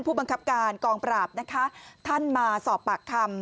ผู้บังคับการกองปราบนะคะท่านมาสอบปากคำ